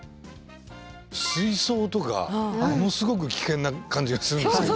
水槽とかものすごく危険な感じがするんですけど。